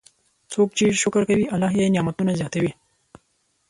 څوک چې شکر کوي، الله یې نعمتونه زیاتوي.